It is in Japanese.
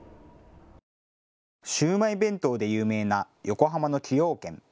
シウマイ弁当で有名な横浜の崎陽軒。